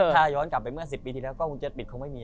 ถ้าย้อนกลับไปเมื่อ๑๐ปีที่แล้วกล้องวงจรปิดคงไม่มี